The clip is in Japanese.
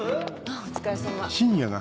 あぁお疲れさま。